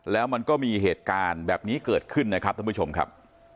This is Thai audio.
แล้วมันก็มีเหตุการณ์แบบนี้เกิดขึ้นนะครับท่านผู้ชมครับ